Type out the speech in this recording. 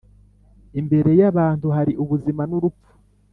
Imbere y’abantu hari ubuzima n’urupfu,